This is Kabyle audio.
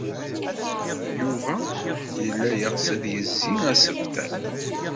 Yuba yella yeɣs ad yezzi asebter.